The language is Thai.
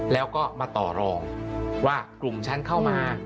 แล้วก็มาต่อรองว่ากลุ่มฉันเข้ามา